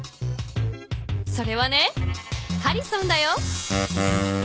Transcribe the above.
それはねハリソンだよ。